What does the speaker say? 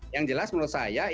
yang jelas menurut saya